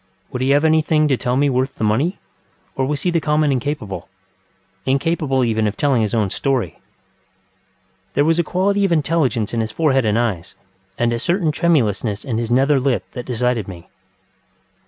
Would he have anything to tell me worth the money, or was he the common incapableŌĆöincapable even of telling his own story? There was a quality of intelligence in his forehead and eyes, and a certain tremulousness in his nether lip that decided me.